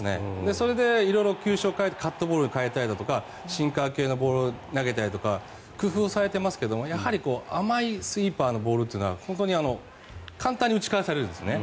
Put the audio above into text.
それで色々球種を変えるカットボールを変えるとかシンカー系のボールを投げたりとか工夫されてますけどやはり甘いスイーパーのボールというのは本当に簡単に打ち返されるんですね。